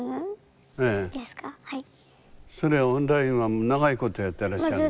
それはオンラインは長いことやってらっしゃるの？